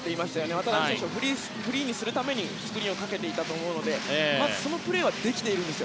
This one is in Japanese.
渡邊選手をフリーにするためにスクリーンをかけていたのでそのプレーはできているんです。